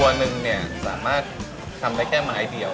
ตัวหนึ่งเนี่ยสามารถทำได้แค่ไม้เดียว